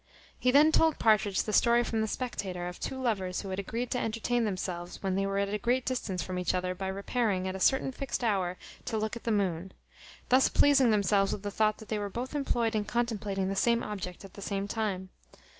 He then told Partridge the story from the Spectator, of two lovers who had agreed to entertain themselves when they were at a great distance from each other, by repairing, at a certain fixed hour, to look at the moon; thus pleasing themselves with the thought that they were both employed in contemplating the same object at the same time.